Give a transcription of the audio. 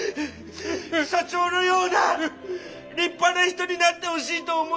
「社長のような立派な人になってほしいと思い付けました。